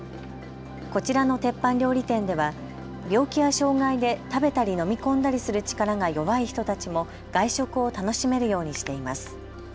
こちらの鉄板料理店では病気や障害で食べたり飲み込んだりする力が弱い人たちも外食を楽しめるようにしています。